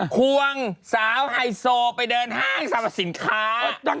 ควงสาวไฮโซไปเดินห้างสรรพสินค้า